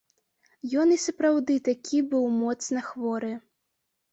Ён і сапраўды такі быў моцна хворы.